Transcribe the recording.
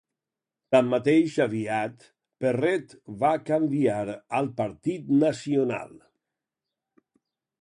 Tanmateix, aviat, Perrett va canviar al Partit Nacional.